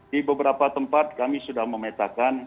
di beberapa tempat kami sudah memetakan